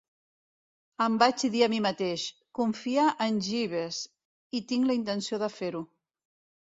Em vaig dir a mi mateix "Confia en Jeeves" i tinc la intenció de fer-ho.